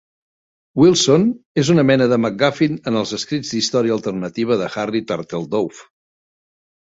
Wilson és una mena de macguffin en els escrits d'història alternativa de Harry Turtledove.